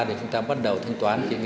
để chúng ta bắt đầu thương toán thị trường